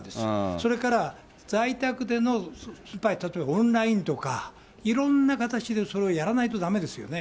それから、在宅でのオンラインとか、いろんな形でそれをやらないとだめですよね。